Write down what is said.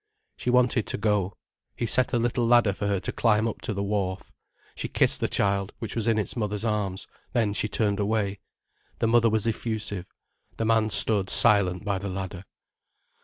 She wanted to go. He set a little ladder for her to climb up to the wharf. She kissed the child, which was in its mother's arms, then she turned away. The mother was effusive. The man stood silent by the ladder.